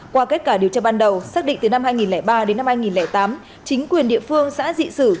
qua kết quả điều tra ban đầu xác định từ năm hai nghìn ba đến năm hai nghìn tám chính quyền địa phương xã dị sử